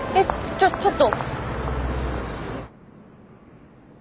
ちょちょっと。